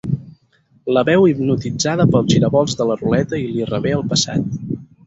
La veu hipnotitzada pels giravolts de la ruleta i li revé el passat.